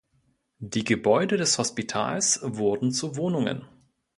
Die Gebäude des Hospitals wurden zu Wohnungen.